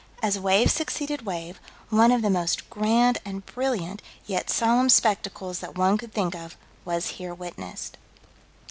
"As wave succeeded wave, one of the most grand and brilliant, yet solemn, spectacles that one could think of, was here witnessed."